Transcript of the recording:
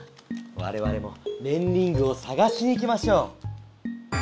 われわれもねんリングをさがしに行きましょう。